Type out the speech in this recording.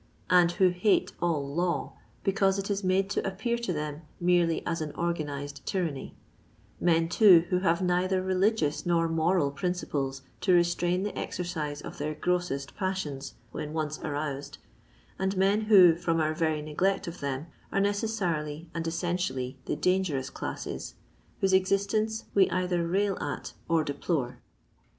and who bate all law, because it it made to appear to them merely as an organised tyranny — ^men, too, who have neither religious nor moral princi plea to reatrain the exercise of their grossest pas sions when onee roused, and men who, from our ▼ery neglect of them, are necessarily and essen tially the dangerous classes, whose existence we either rail at or deplore.